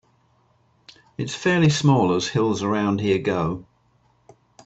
It's fairly small as hills around here go.